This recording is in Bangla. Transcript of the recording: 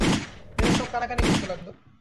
মেয়েরা সব কানাকানি করতে লাগল।